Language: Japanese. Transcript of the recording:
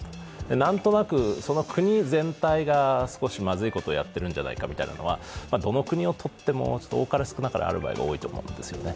何となく、その国全体が少しまずいことをやっているんじゃないかみたいなのはどの国をとっても多かれ少なかれある場合が多いと思うんですよね。